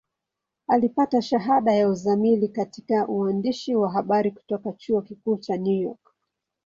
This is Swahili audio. Alipata shahada ya uzamili katika uandishi wa habari kutoka Chuo Kikuu cha New York.